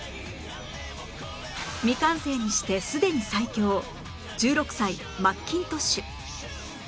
未完成にしてすでに最強１６歳マッキントッシュ